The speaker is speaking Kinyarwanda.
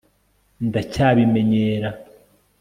ndacyabimenyera